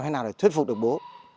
hay nào để thuyết phục được bố